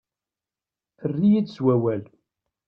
Err-iyi-d s wawal.